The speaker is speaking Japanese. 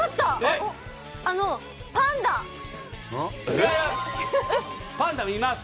違います。